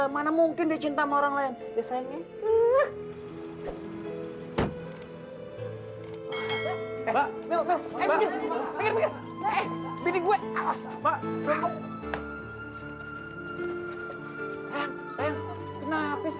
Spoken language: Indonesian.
mana mungkin dia cinta sama orang lain biasanya